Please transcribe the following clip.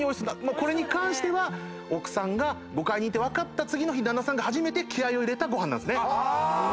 これに関しては奥さんがご懐妊って分かった次の日旦那さん初めて気合を入れたご飯なんですね。